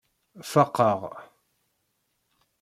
Faqeɣ.